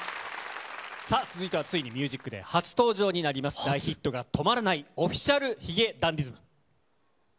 さあ、続いてはついにＴＨＥＭＵＳＩＣＤＡＹ初登場になります、大ヒットが止まらない、オフィシャル髭男ｄｉｓｍ。